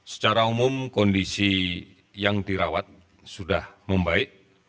secara umum kondisi yang dirawat sudah membaik